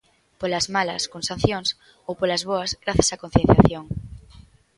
Polas malas, con sancións, ou polas boas, grazas á concienciación.